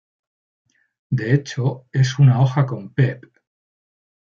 De hecho, es una hoja con pep.